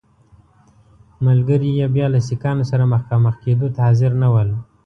ملګري یې بیا له سیکهانو سره مخامخ کېدو ته حاضر نه ول.